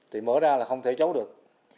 thì mở ra là không thể chấu được